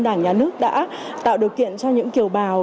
đảng nhà nước đã tạo điều kiện cho những kiều bào